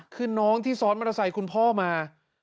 คือน้องที่ซ้อนมอเตอร์ไซค์คุณพ่อมา